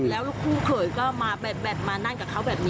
แล้วลูกคู่เขยก็มาแดดมานั่นกับเขาแบบนี้